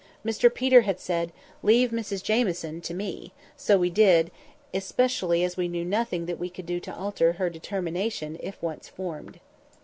Mr Peter had said, "Leave Mrs Jamieson to me;" so we did; especially as we knew nothing that we could do to alter her determination if once formed.